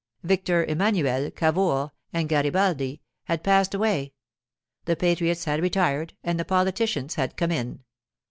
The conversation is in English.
Victor Emmanuel, Cavour, and Garibaldi had passed away; the patriots had retired and the politicians had come in.